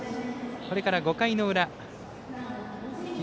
これから５回の裏東